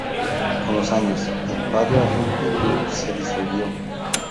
Con los años, el Padua Rugby Club se disolvió.